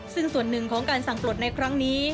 ซึ่งส่วนหนึ่งของการสั่งปลดในครั้งนี้